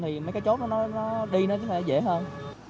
thì mấy cái chốt nó đi nó sẽ dễ hơn